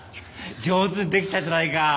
上手にできたじゃないか。